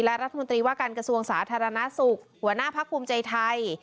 และรัฐมนตรีว่าการกระทรวงสาธารณสุขหัวหน้าพักภูมิใจไทย